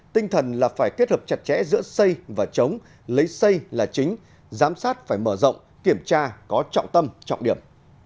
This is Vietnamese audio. tinh thần là phải kết hợp chặt chẽ giữa xây và chống lấy xây là chính giám sát phải mở rộng kiểm tra có trọng tâm trọng điểm